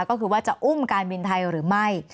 ก็คือว่าจะอุ้มการบินไทยหรือไม่